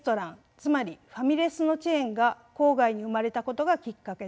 つまりファミレスのチェーンが郊外に生まれたことがきっかけです。